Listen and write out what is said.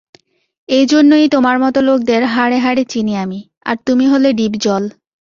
এজন্য-ই তোমার মতো লোকদের হাড়েহাড়ে চিনি আমি, - আর তুমি হলে ডিপজল।